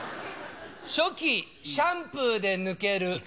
初期シャンプーで抜ける。